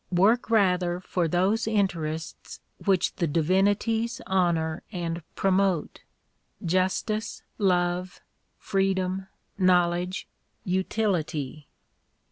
Work rather for those interests which the divinities honour and promote — justice, love, freedom, knowledge, utiUty.